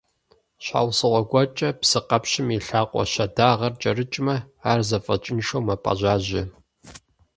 Щхьэусыгъуэ гуэркӀэ псыкъэпщым и лъакъуэ щэдагъэр кӀэрыкӀмэ, ар зэфӀэкӀыншэу мэпӀэжьажьэ.